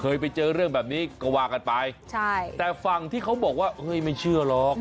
เคยไปเจอเรื่องแบบนี้ก็ว่ากันไปใช่แต่ฝั่งที่เขาบอกว่าเฮ้ยไม่เชื่อหรอก